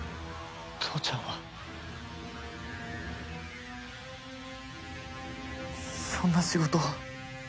父ちゃんはそんな仕事を。